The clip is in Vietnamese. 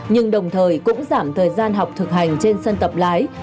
nhưng đồng thời cũng giảm thời gian học thực hành trên sân tập lái